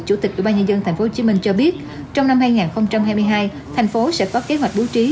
chủ tịch của ba nhân dân tp hcm cho biết trong năm hai nghìn hai mươi hai thành phố sẽ có kế hoạch bố trí